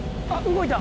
動いた！